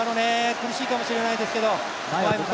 苦しいかもしれないですね。